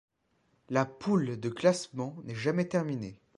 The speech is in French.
La poule de classement n’est jamais terminée.